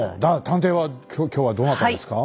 探偵は今日はどなたですか？